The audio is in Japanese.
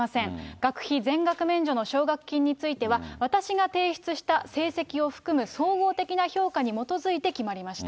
学費全額免除の奨学金については、私が提出した成績を含む総合的な評価に基づいて決まりました。